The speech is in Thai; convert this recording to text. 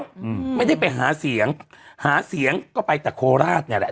อืมไม่ได้ไปหาเสียงหาเสียงก็ไปแต่โคราชเนี้ยแหละ